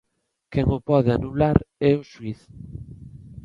Quen o pode anular é o xuíz.